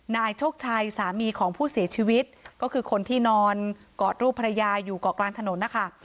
นายโชคชัยสามีของผู้เสียชีวิตก็คือคนที่นอนกอดรูปภรรยาอยู่เกาะกลางถนนนะคะ